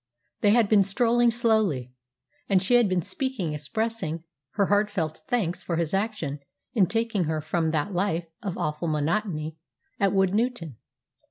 They had been strolling slowly, and she had been speaking expressing her heartfelt thanks for his action in taking her from that life of awful monotony at Woodnewton.